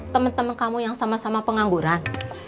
temen temen kamu yang sama sama pengangguran